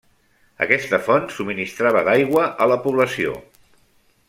Aquesta font subministrava d'aigua a la població.